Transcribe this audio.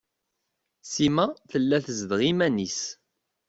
Sima tella tezdeɣ iman-is.